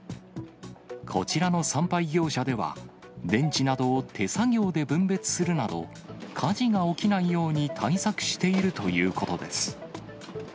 こちらの産廃業者では、電池などを手作業で分別するなど、火事が起きないように対策しているということです。